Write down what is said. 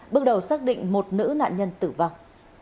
bước đầu xác định một nữ nạn nhân tử vong